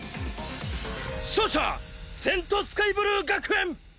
勝者聖スカイブルー学園！